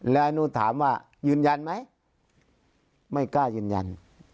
แล้วหนูถามว่ายืนยันไหมไม่กล้ายืนยัน